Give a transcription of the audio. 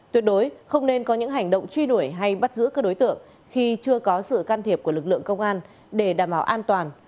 tuyệt đối không nên có những hành động truy đuổi hay bắt giữ các đối tượng khi chưa có sự can thiệp của lực lượng công an để đảm bảo an toàn